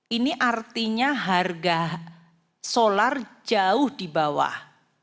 ini artinya harga solar jauh di bawah